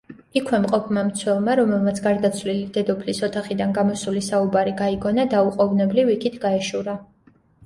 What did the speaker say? იქვე მყოფმა მცველმა, რომელმაც გარდაცვლილი დედოფლის ოთახიდან გამოსული საუბარი გაიგონა დაუყოვნებლივ იქით გაეშურა.